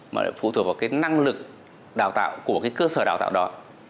mà lại phụ thuộc vào cái năng lực đào tạo của cái cơ sở đào tạo đó